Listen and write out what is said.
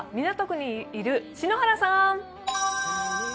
港区にいる篠原さん。